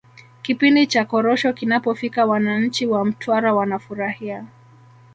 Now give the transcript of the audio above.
kipindi cha korosho kinapofika wananchi wa mtwara wanafurahia